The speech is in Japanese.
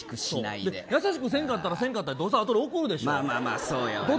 優しくせんかったらせんかったで怒るでしょ。